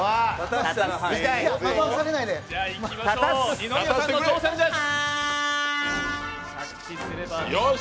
二宮さんの挑戦です！